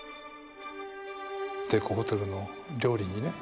帝国ホテルの料理にね